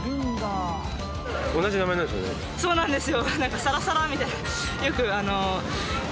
そうなんですよ。